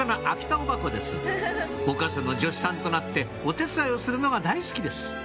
お母さんの助手さんとなってお手伝いをするのが大好きです